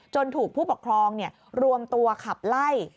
ถูกผู้ปกครองรวมตัวขับไล่